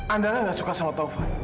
andara gak suka sama tava